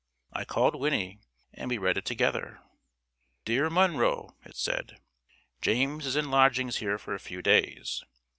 I called Winnie, and we read it together. "Dear Munro," it said, "James is in lodgings here for a few days.